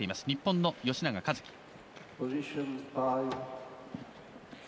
日本の吉永一貴。